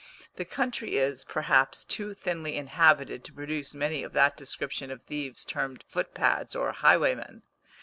The country is, perhaps, too thinly inhabited to produce many of that description of thieves termed footpads, or highwaymen.